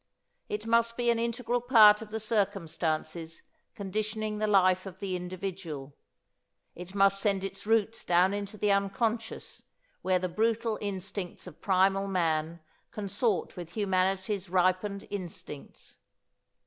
It must be an integral part of the circumstances conditioning the life of the individual. It must send its roots down into the unconscious where the brutal instincts of primal man consort with humanity's ripened instincts.